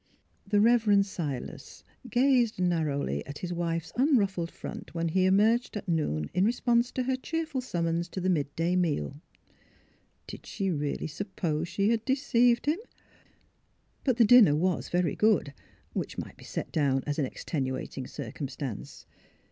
The Reverend Silas gazed narrowly at his wife's unruffled front when he emerged at noon in THE HIDDEN PICTURE 9 response to her cheerful summons to the midday meal. Did she really suppose she had deceived him I But the dinner was very good, which might be set down as an extenuating circumstance.